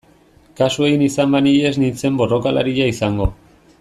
Kasu egin izan banie ez nintzen borrokalaria izango...